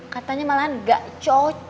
katanya malahan gak cocok sama reva ya